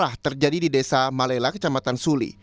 telah terjadi di desa malela kecamatan suli